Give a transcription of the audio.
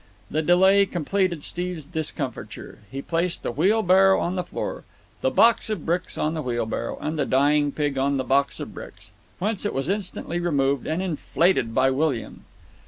The delay completed Steve's discomfiture. He placed the wheel harrow on the floor, the box of bricks on the wheelbarrow, and the dying pig on the box of bricks, whence it was instantly removed and inflated by William.